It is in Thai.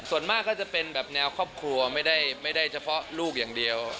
ส่วนมากก็จะเป็นแบบแนวครอบครัวไม่ได้เฉพาะลูกอย่างเดียว